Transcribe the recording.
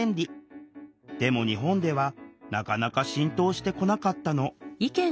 でも日本ではなかなか浸透してこなかったの。